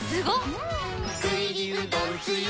具入りうどんつゆ